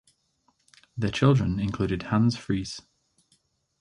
Their children included Hans Friis.